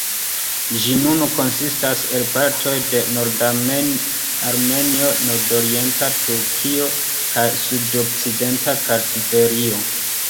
Ĝi nun konsistas el partoj de norda Armenio, nordorienta Turkio, kaj sudokcidenta Kartvelio.